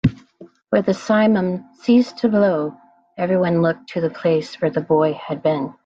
When the simum ceased to blow, everyone looked to the place where the boy had been.